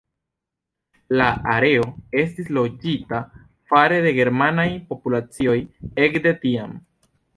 La areo estis loĝita fare de germanaj populacioj ekde tiam.